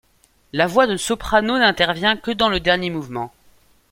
La voix de soprano n'intervient que dans le dernier mouvement.